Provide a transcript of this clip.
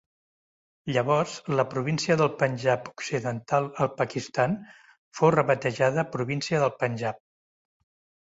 Llavors la província del Panjab Occidental al Pakistan fou rebatejada província del Panjab.